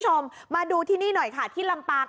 คุณผู้ชมมาดูที่นี่หน่อยค่ะที่ลำปาง